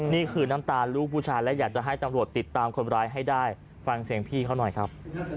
นี่คือน้ำตาลูกผู้ชายและอยากจะให้ตำรวจติดตามคนร้ายให้ได้ฟังเสียงพี่เขาหน่อยครับ